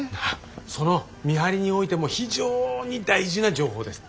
その見張りにおいても非常に大事な情報です。